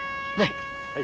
はい。